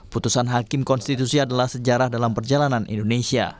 putusan hakim konstitusi adalah sejarah dalam perjalanan indonesia